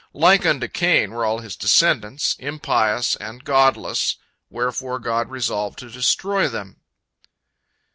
Like unto Cain were all his descendants, impious and godless, wherefore God resolved to destroy them.